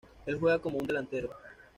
Él juega como un delantero.